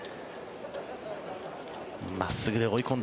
真っすぐで追い込んだ。